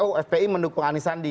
oh fpi mendukung anies sandi